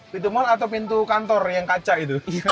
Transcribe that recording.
pintu mal atau pintu kantor yang kaca itu